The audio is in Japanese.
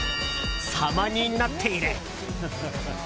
さまになっている！